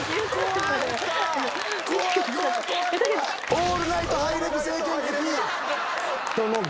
オールナイトハイレグ